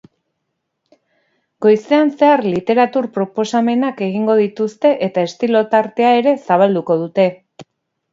Goizean zehar literatur proposamenak egingo dituzte eta estilo tartea ere zabalduko dute.